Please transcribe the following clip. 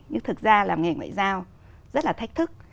nhưng thực ra làm nghề ngoại giao rất là thách thức